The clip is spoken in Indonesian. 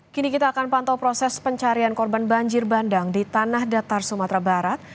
kini kita akan pantau proses pencarian korban banjir bandang di tanah datar sumatera barat